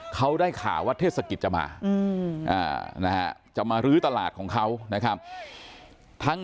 เขาได้ข่าวว่าเทศกิจจะมาจะมาลื้อตลาดของเขานะครับ